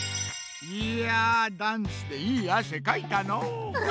いやダンスでいいあせかいたのう。